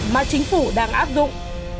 mà chính phủ đang áp dụng